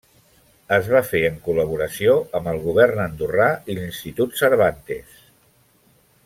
Es va fer en col·laboració amb el govern andorrà i l'Institut Cervantes.